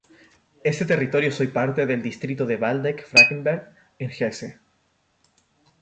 Este territorio es hoy parte del distrito de Waldeck-Frankenberg en Hesse.